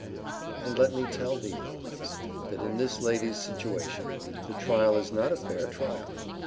And let me tell thee, Lovelace, that in this lady's situation, the trial is not a fair trial.